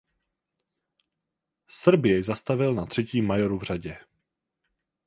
Srb jej zastavil na třetím majoru v řadě.